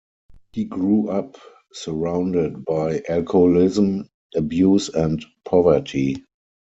He grew up surrounded by alcoholism, abuse and poverty.